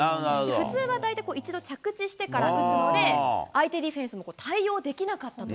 普通は大体、一度着地してから打つので、相手ディフェンスも対応できなかったと。